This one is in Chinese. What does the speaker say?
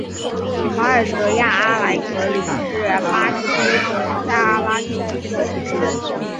瓦尔泽亚阿莱格里是巴西塞阿拉州的一个市镇。